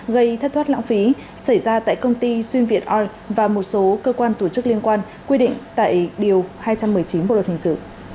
gây thất thoát lãng phí xảy ra tại công ty xuyên việt oil và một số cơ quan tổ chức liên quan quy định tại điều hai trăm một mươi chín bộ luật hình sự